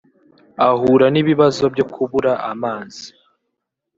ahura n’ibibazo byo kubura amazi